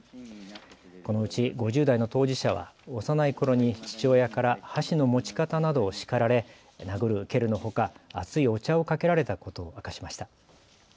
このうち５０代の当事者は幼いころに父親から箸の持ち方などを叱られ殴る蹴るのほか、熱いお茶をかけられたことを明かしました。